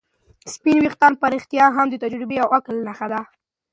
سپین ويښتان په رښتیا هم د تجربې او عقل نښه ده.